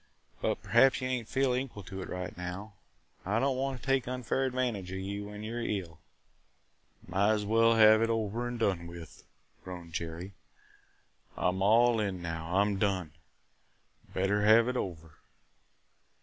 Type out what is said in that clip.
But perhaps you don't feel equal to it now. I don't want to take an unfair advantage of you when you 're ill." "Might as well have it over and done with," groaned Jerry. "I 'm all in now. I 'm done! Better have it over!"